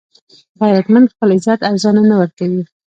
غیرتمند خپل عزت ارزانه نه ورکوي